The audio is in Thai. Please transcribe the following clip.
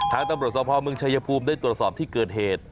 ทางตำรวจสภเมืองชายภูมิได้ตรวจสอบที่เกิดเหตุ